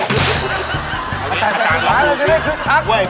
อาจารย์อาจจะได้คือทัก